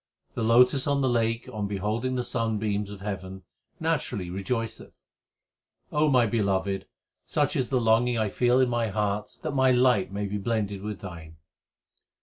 The lotus on the lake on beholding the sunbeams of heaven naturally rejoiceth : O my Beloved, such is the longing I feel in my heart that my light may be blended with Thine.